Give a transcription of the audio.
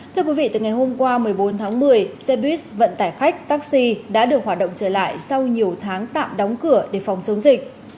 thưa quý vị từ ngày hôm qua một mươi bốn tháng một mươi xe buýt vận tải khách taxi đã được hoạt động trở lại sau nhiều tháng tạm đóng cửa để phòng chống dịch